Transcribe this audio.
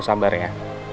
lo samber ya